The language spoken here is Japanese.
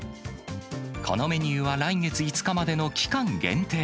このメニューは来月５日までの期間限定。